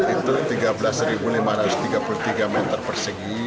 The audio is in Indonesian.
itu tiga belas lima ratus tiga puluh tiga meter persegi